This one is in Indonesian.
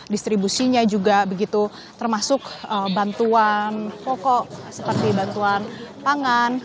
distribusinya juga begitu termasuk bantuan pokok seperti bantuan pangan